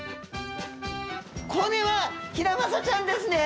これはヒラマサちゃんですね！